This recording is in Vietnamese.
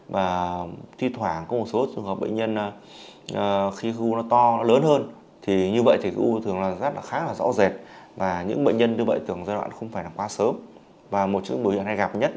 và một trong những bệnh nhân hay gặp nhất